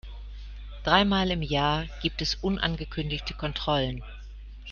Dreimal im Jahr gibt es unangekündigte Kontrollen.